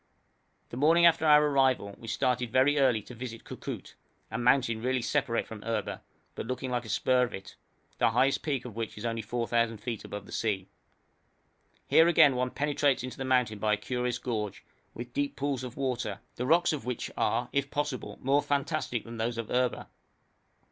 The morning after our arrival we started very early to visit Koukout, a mountain really separate from Erba, but looking like a spur of it, the highest peak of which is only 4,000 feet above the sea. Here again one penetrates into the mountain by a curious gorge, with deep pools of water, the rocks about which are, if possible, more fantastic than those of Erba.